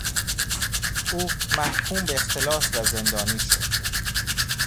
او محکوم به اختلاس و زندانی شد.